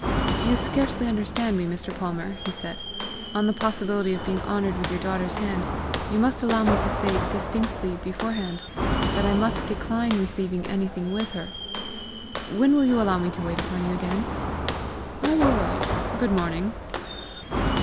"You scarcely understand me, Mr. Palmer," he said. "On the possibility of being honoured with your daughter's hand, you must allow me to say distinctly beforehand, that I must decline receiving anything with her. When will you allow me to wait upon you again?" "I will write. Good morning."